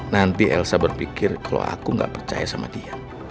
nanti elsa berpikir kalau aku nggak percaya sama dia